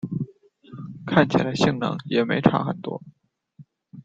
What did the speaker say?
看起来性能也没差很多